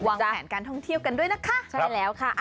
วางแผนการท่องเที่ยวกันด้วยนะคะ